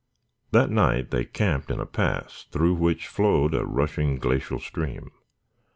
That night they camped in a pass through which flowed a rushing glacial stream.